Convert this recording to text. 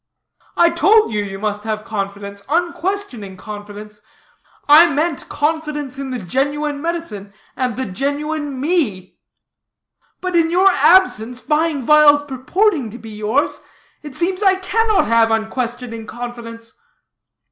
"I told you, you must have confidence, unquestioning confidence, I meant confidence in the genuine medicine, and the genuine me." "But in your absence, buying vials purporting to be yours, it seems I cannot have unquestioning confidence."